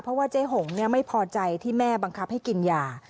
เพราะว่าเจ๊หงไม่พอใจที่แม่บังคับให้กินยา